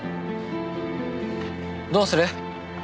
どうする？